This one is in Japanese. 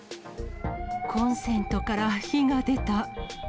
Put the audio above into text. コンセントから火が出た。